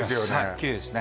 きれいですね